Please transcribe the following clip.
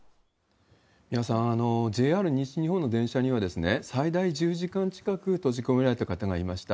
三輪さん、ＪＲ西日本の電車には、最大１０時間近く閉じ込められた方がいました。